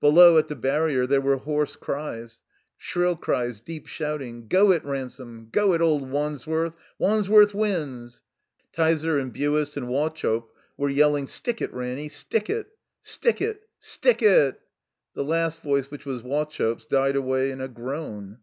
Below, at the barrier, there were hoarse cries,' shrill cries, deep shouting. "Go it, Ransome! Go it, old Wandsworth! Wandsworth wins!" Tyser and Buist and Wauchope were yelling "Stick it, Ranny! Stick it!" "Stick it!" "Stick— it!" The last voice, which was Wauchope's, died away in a groan.